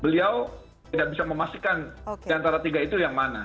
beliau tidak bisa memastikan diantara tiga itu yang mana